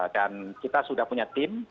dan kita sudah punya tim